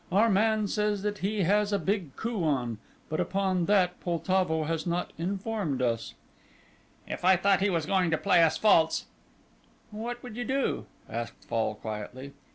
Our man says that he has a big coup on, but upon that Poltavo has not informed us." "If I thought he was going to play us false " "What would you do?" asked Fall quietly.